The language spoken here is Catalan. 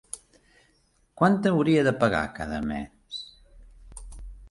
Quant hauria de pagar cada mes?